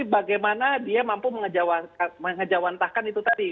bagaimana dia mampu mengejawantahkan itu tadi